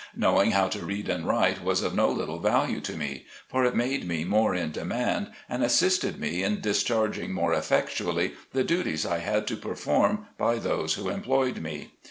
Knowing how to read and write was of no little value to me, for it made me more in demand, and assisted me in discharging more effectually the duties I had to perform by those who employed me.